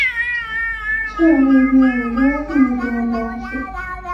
车永莉毕业于中央戏剧学院表演系。